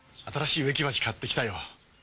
新しい植木鉢買ってきたよ。